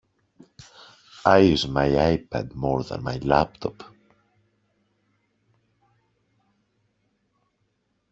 I use my iPad more than my laptop